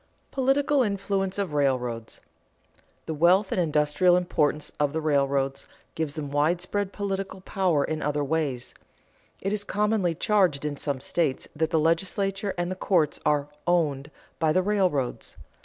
[Sidenote: Political influence of railroads] The wealth and industrial importance of the railroads give them widespread political power in other ways. It is commonly charged in some states that the legislature and the courts are "owned" by the railroads.